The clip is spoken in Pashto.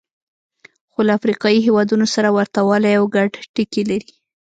خو له افریقایي هېوادونو سره ورته والی او ګډ ټکي لري.